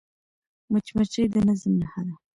مچمچۍ د نظم نښه ده